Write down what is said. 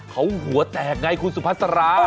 เค้าหัวแตกไงคุณสุพัสรา